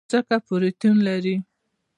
ځکه پروټین لري.